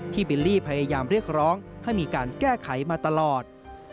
บิลลี่พยายามเรียกร้องให้มีการแก้ไขมาตลอด